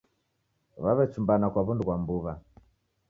W'aw'echumbana kwa wundu ghwa mbuw'a